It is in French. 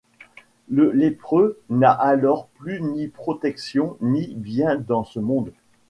Le lépreux n’a alors plus ni protection ni biens dans ce monde.